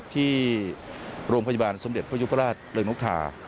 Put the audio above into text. ที่โรงพยาบาลสมเด็จพระยุพราชเริงนกทา